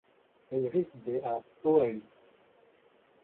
Elle résidait à Oahu.